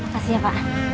makasih ya pak